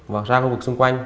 và ra khu vực xung quanh